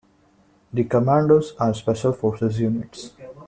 The commandos are special forces units.